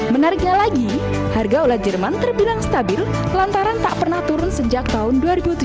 menariknya lagi harga ulat jerman terbilang stabil lantaran tak pernah turun sejak tahun dua ribu tujuh belas